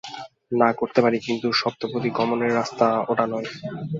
না করতে পারে কিন্তু সপ্তপদী গমনের রাস্তা ওটা নয়।